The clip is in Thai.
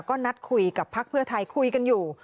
ก็นัดคุยกับพักเพื่อไทยคุยกันอยู่